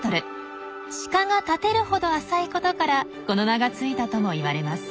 シカが立てるほど浅いことからこの名が付いたともいわれます。